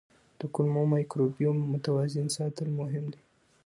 د کولمو مایکروبیوم متوازن ساتل مهم دي.